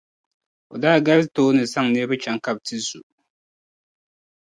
O daa gari tooni zaŋ niriba ka bɛ chaŋ ti zu.